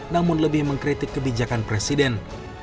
namun lebih mengkritik kebijakan presiden